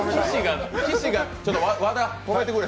和田、止めてくれ。